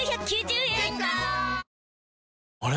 ⁉あれ？